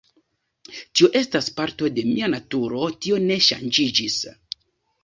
Tio estas parto de mia naturo, tio ne ŝanĝiĝis.